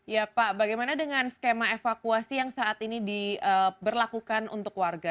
ya pak bagaimana dengan skema evakuasi yang saat ini diberlakukan untuk warga